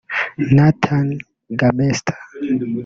Nathan Gamester